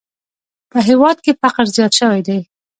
په هېواد کې فقر زیات شوی دی!